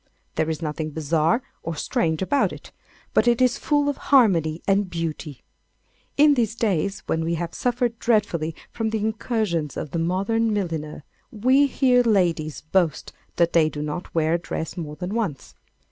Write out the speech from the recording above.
There is nothing bizarre or strange about it, but it is full of harmony and beauty. In these days, when we have suffered dreadfully from the incursions of the modern milliner, we hear ladies boast that they do not wear a dress more than once.